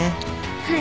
はい。